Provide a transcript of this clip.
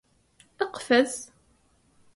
اقفز!